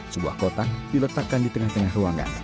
sebuah kotak diletakkan di tengah tengah ruangan